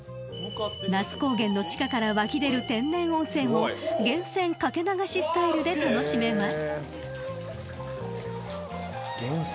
［那須高原の地下から湧き出る天然温泉を源泉掛け流しスタイルで楽しめます］